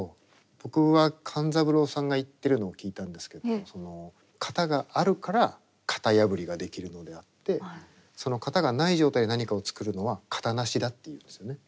僕は勘三郎さんが言ってるのを聞いたんですけど型があるから型破りができるのであって型がない状態で何かを作るのは型なしだって言うんですよね。